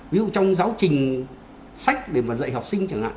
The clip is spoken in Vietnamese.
ví dụ trong giáo trình sách để mà dạy học sinh chẳng hạn